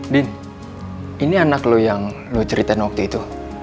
din ini anak lo yang lo ceritain waktu itu